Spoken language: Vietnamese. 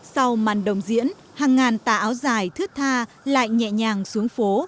sau màn đồng diễn hàng ngàn tà áo dài thước tha lại nhẹ nhàng xuống phố